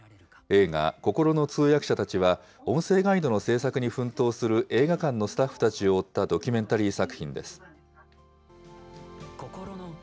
映画、こころの通訳者たちは、音声ガイドの制作に奮闘する映画館のスタッフたちを追ったドキュメンタリー作品です。